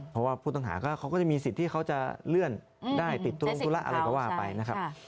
เพราะว่าผู้ต้องหาเขาก็จะมีสิทธิ์ที่เขาจะเลื่อนได้ติดตัวลงธุระอะไรก็ว่าไปนะครับ